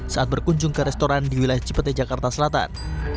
saat berkunjung ke restoran di wilayah cipete jakarta selatan